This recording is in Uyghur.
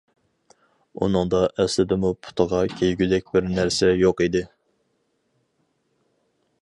ئۇنىڭدا ئەسلىدىمۇ پۇتىغا كىيگۈدەك بىر نەرسە يوق ئىدى.